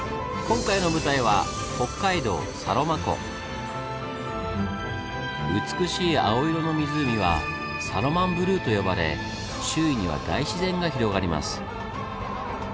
今回の舞台は美しい青色の湖は「サロマンブルー」と呼ばれ周囲には大自然が広がります。